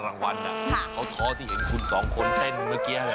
กลิ่นอะไรคะกลิ่นผู้โชคดีอย่ารอช้าโกยเลย